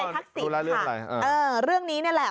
อ๋อรู้แล้วเรื่องอะไรในทักศิลป์ค่ะเออเรื่องนี้นี่แหละ